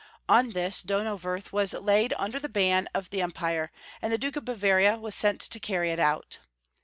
On this Donauwerth was laid under the ban of the Empire, and the Duke of Bavaria was sent to carry it out.